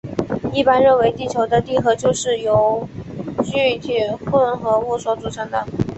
一般认为地球的地核就是由镍铁混合物所组成的。